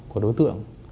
của đối tượng